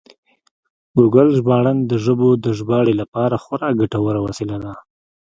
ګوګل ژباړن د ژبو د ژباړې لپاره خورا ګټور وسیله ده.